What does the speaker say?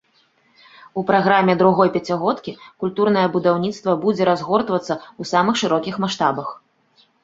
У праграме другой пяцігодкі культурнае будаўніцтва будзе разгортвацца ў самых шырокіх маштабах.